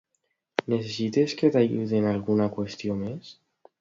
Necessites que t'ajudi en alguna qüestió més?